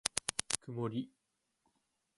くもり